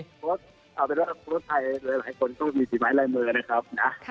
ถ้าพูดไทยหลายคนก็มีสิบไม้ลายมือนะครับ